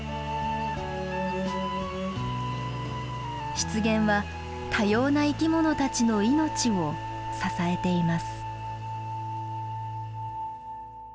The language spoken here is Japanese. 湿原は多様な生きものたちの命を支えています。